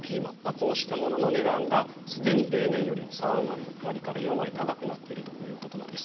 こうしたものの値段がすでに例年より３割から４割高くなっているということです。